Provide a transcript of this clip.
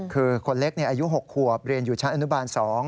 คือคนเล็กอายุ๖ขวบเรียนอยู่ชั้นอนุบาล๒